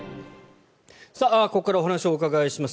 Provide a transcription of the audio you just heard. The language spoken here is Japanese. ここからお話をお伺いします。